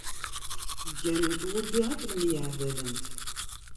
Gganent wulli akken myaɛdalent.